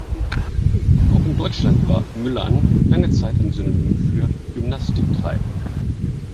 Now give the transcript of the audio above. Auch in Deutschland war "müllern" lange Zeit ein Synonym für "Gymnastik treiben".